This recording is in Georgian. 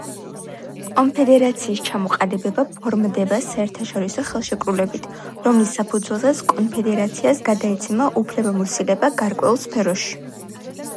კონფედერაციის ჩამოყალიბება ფორმდება საერთაშორისო ხელშეკრულებით, რომლის საფუძველზეც კონფედერაციას გადაეცემა უფლებამოსილება გარკვეულ სფეროებში.